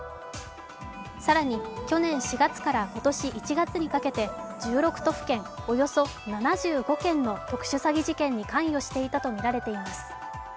更に、去年４月から今年１月にかけて１６都府県、およそ７５件の特殊詐欺事件に関与していたとみられています。